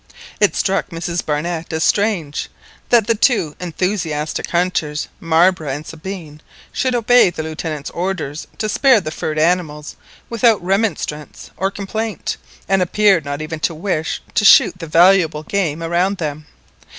It struck Mrs Barnett as strange that the two enthusiastic hunters—Marbre and Sabine—should obey the Lieutenant's orders to spare the furred animals without remonstrance or complaint, and appeared not even to wish to shoot the valuable game around them.